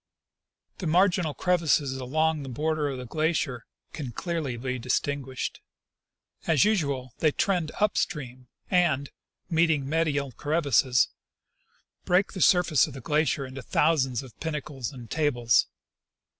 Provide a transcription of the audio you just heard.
The marginal crevasses along the border of the glacier can clearly be distinguished. As usual, they trend up stream and, meeting medial crevasses, break the surface of the glacier into thousands of pinnacles and tables.